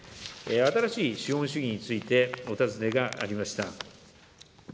新しい資本主義についてお尋ねがありました。